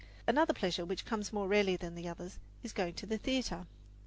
Another pleasure, which comes more rarely than the others, is going to the theatre.